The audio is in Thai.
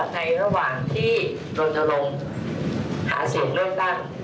ในระหว่างที่รณรงค์หาเสียงเลือกตั้ง